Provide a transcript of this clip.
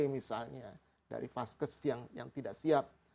misalnya dari vaskes yang tidak siap